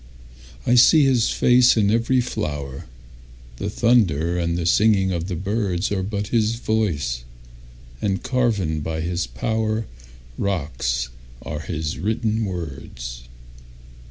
I see his face in every flower; The thunder and the singing of the birdsAre but his voice—and carven by his powerRocks are his written words.